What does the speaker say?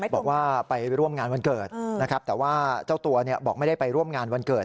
บอกว่าไปร่วมงานวันเกิดนะครับแต่ว่าเจ้าตัวบอกไม่ได้ไปร่วมงานวันเกิด